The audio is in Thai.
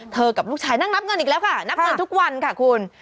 กับลูกชายนั่งนับเงินอีกแล้วค่ะนับเงินทุกวันค่ะคุณ